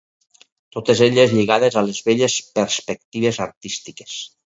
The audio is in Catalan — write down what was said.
Totes elles lligades a les velles perspectives artístiques.